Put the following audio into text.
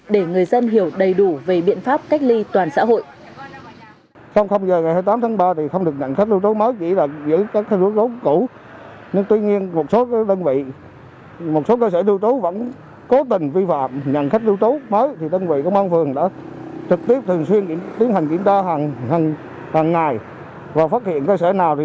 để người dân hiểu đầy đủ về biện pháp cách ly toàn xã hội